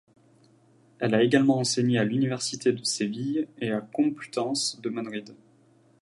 Elle a également enseigné à l’Université de Séville et Complutense de Madrid.